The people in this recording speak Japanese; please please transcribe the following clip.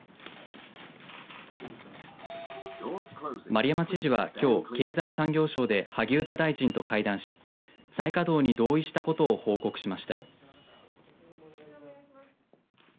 丸山知事は、きょう経済産業省で萩生田大臣と会談し再稼働に同意したことを報告しました。